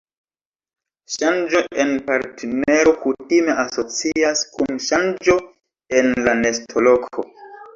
Ŝanĝo en partnero kutime asocias kun ŝanĝo en la nestoloko.